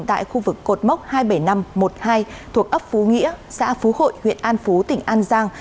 tại khu vực cột mốc hai trăm bảy mươi năm một mươi hai thuộc ấp phú nghĩa xã phú hội huyện an phú tỉnh an giang